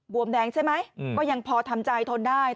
วมแดงใช่ไหมก็ยังพอทำใจทนได้